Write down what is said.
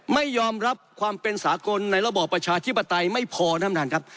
ไม่ยอมรับความเป็นสากลในระบอบประชาธิปไตยไม่พอท่านประธานครับ